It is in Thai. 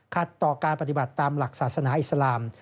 ต่อการปฏิบัติตามหลักศาสนาอิสลาม